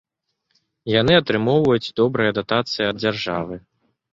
Яны атрымоўваюць добрыя датацыі ад дзяржавы.